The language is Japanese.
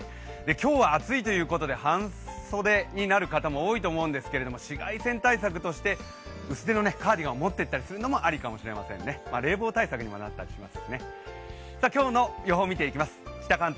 今日は暑いということで半袖になる方も多いと思うんですけれども紫外線対策として薄手のカーディガンを持っていったりするのもアリかもしれないですね、冷房対策にもなります。